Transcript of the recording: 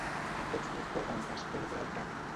Aquests no poden pas perdre el cap.